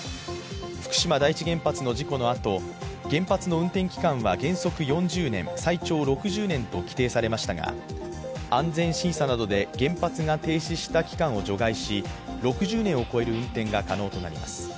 福島第一原発の事故のあと原発の運転期間は原則４０年、最長６０年と規定されましたが、安全審査などで、原発が停止した期間を除外し、６０年を超える運転が可能となります。